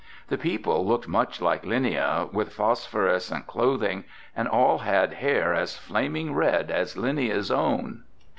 The people looked much like Linnia, with phosphorescent clothing, and all had hair as flaming red as Linnia's own.